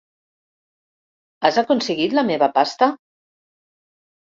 Has aconseguit la meva "pasta"?